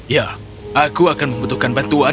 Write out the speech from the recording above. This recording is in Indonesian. ya aku akan membutuhkan bantuan